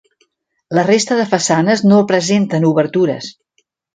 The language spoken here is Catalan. La resta de façanes no presenten obertures.